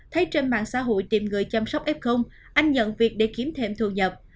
thấy trên mạng xã hội tìm người chăm sóc f anh nhận việc để kiếm thêm thu nhập